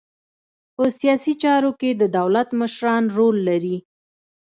په سیاسي چارو کې د دولت مشران رول لري